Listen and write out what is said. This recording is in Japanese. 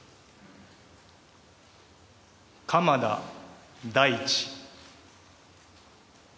鎌田大地。